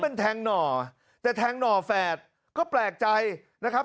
มันแทงหน่อแต่แทงหน่อแฝดก็แปลกใจนะครับ